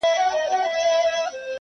• وینم د زمان په سرابو کي نړۍ بنده ده -